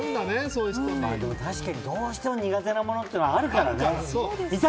確かにどうしても苦手なものってあるからね。